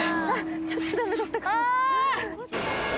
ちょっとダメだったかも。